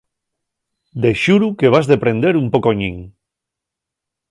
De xuru que vas deprender un pocoñín.